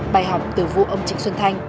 bài học từ vụ ông trịnh xuân thanh